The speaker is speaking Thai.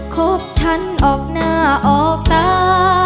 คบฉันออกหน้าออกตา